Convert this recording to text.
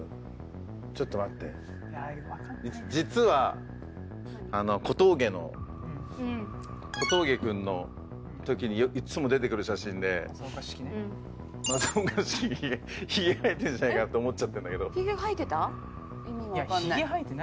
ちょっと待って実は小峠の小峠君の時にいっつも出てくる写真で正岡子規ね正岡子規にひげ生えてるんじゃないかなって思っちゃってるんだけどひげ生えてた？